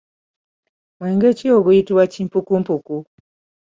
Mwenge ki oguyitibwa kimpukumpuku?